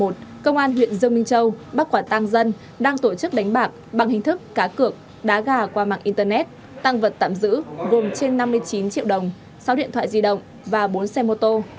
công an huyện dương minh châu bắt quả tăng dân đang tổ chức đánh bạc bằng hình thức cá cược đá gà qua mạng internet tăng vật tạm giữ gồm trên năm mươi chín triệu đồng sáu điện thoại di động và bốn xe mô tô